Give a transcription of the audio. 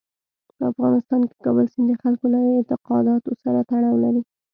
په افغانستان کې کابل سیند د خلکو له اعتقاداتو سره تړاو لري.